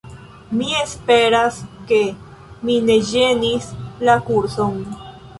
Mi esperas ke mi ne ĝenis la kurson.